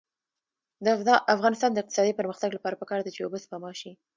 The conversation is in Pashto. د افغانستان د اقتصادي پرمختګ لپاره پکار ده چې اوبه سپما شي.